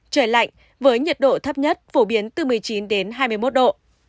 trời lạnh với nhiệt độ thấp nhất phổ biến từ một mươi chín đến hai mươi một độ